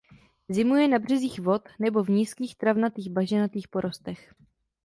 Zimuje na březích vod nebo v nízkých travnatých bažinatých porostech.